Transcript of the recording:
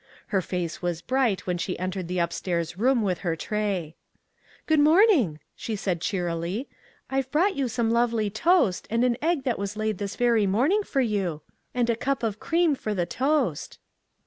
Her face was bright when she entered the upstairs room with her tray. " Good morning," she said cheerily, " I've brought you some lovely toast, and an egg that was laid this very morning for you, and a cup of cream for the toast."